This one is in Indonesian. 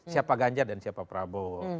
siapa ganjar dan siapa prabowo